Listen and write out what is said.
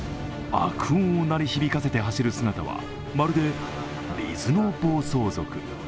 爆音を鳴り響かせて走る姿は、まるで水の暴走族。